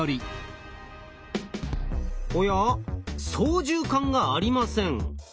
おや操縦桿がありません。